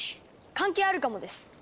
関係あるかもです！